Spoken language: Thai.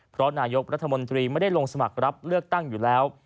เพราะนายกรัฐมนตรีไม่ได้ลงสมัครรับเลือกตั้งอยู่แล้ว